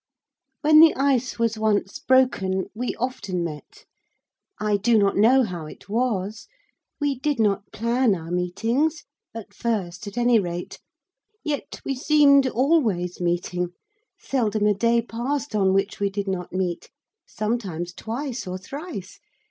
When the ice was once broken, we often met. I do not know how it was. We did not plan our meetings, at first, at any rate. Yet we seemed always meeting. Seldom a day passed on which we did not meet, sometimes twice or thrice.